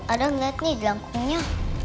ada nggak nih jelangkungnya